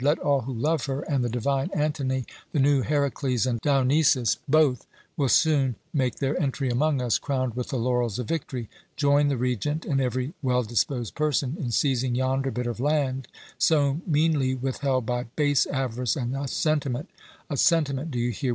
Let all who love her and the divine Antony, the new Herakles and Dionysus both will soon make their entry among us crowned with the laurels of victory join the Regent and every well disposed person in seizing yonder bit of land so meanly withheld by base avarice and a sentiment a sentiment, do you hear?